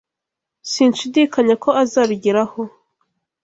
Sinshidikanya ko azabigeraho.